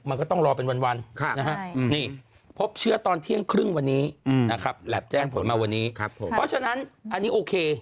มันก็ต้องรอเป็นวันนะฮะนี่พบเชื้อตอนเที่ยงครึ่งวันนี้นะครับแล็บแจ้งผลมาวันนี้เพราะฉะนั้นอันนี้โอเค